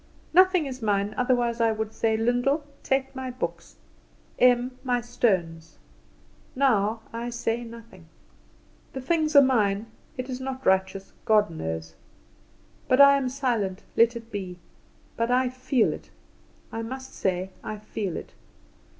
"Nothing is mine, otherwise I would say, Lyndall, take my books, Em my stones. Now I say nothing. The things are mine: it is not righteous, God knows? But I am silent. Let it be. But I feel it, I must say I feel it.